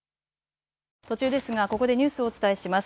途中ですが、ここでニュースをお伝えします。